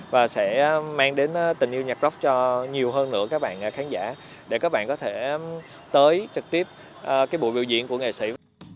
và sẽ mang đến tình yêu nhạc rock cho nhiều hơn nữa các bạn khán giả để các bạn có thể tới trực tiếp cái bộ biểu diễn của nghệ sĩ